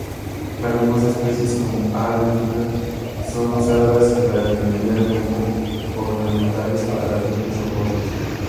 Algunas especies, como "A. alpina", son usadas en jardinería como ornamentales para jardines rocosos.